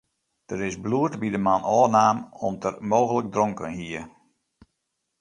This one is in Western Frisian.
Der is bloed by de man ôfnaam om't er mooglik dronken hie.